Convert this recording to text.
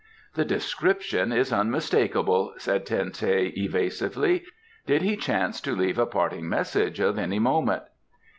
"The description is unmistakable," said Ten teh evasively. "Did he chance to leave a parting message of any moment?"